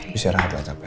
bisa rahat lah capek